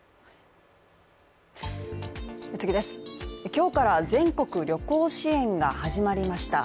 今日から、全国旅行支援が始まりました。